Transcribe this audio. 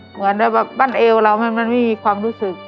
เหมือนแบบปั้นเอวเรามันไม่มีความรู้สึก